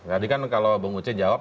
tadi kan kalau bung uce jawab